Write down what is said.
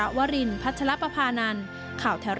การเดินทางไปรับน้องมินครั้งนี้ทางโรงพยาบาลเวทธานีไม่มีการคิดค่าใช้จ่ายใด